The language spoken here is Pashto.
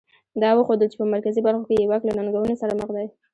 دا وښودل چې په مرکزي برخو کې یې واک له ننګونو سره مخ دی.